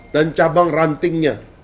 dan cabang rantingnya